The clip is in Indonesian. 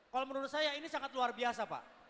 kalau menurut saya ini sangat luar biasa pak